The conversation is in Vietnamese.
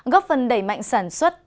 góp phần đẩy mạnh sản xuất